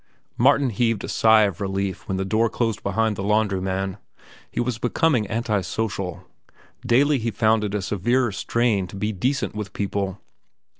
Martin heaved a sigh of relief when the door closed behind the laundryman. He was becoming anti social. Daily he found it a severer strain to be decent with people.